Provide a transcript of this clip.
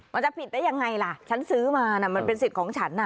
มันจะผิดได้ยังไงล่ะฉันซื้อมาน่ะมันเป็นสิทธิ์ของฉันน่ะ